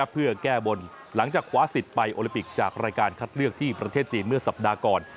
เพื่อแก้บนหลังจากคว้าสิทธิ์ไปโอลิปิกจากรายการคัดเลือกที่ประเทศจีนเมื่อสัปดาห์ก่อน